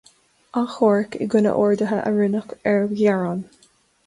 Achomhairc i gcoinne orduithe a rinneadh ar ghearán.